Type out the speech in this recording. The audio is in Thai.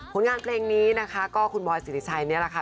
ผลงานเพลงนี้นะคะก็คุณบอยสิริชัยนี่แหละค่ะ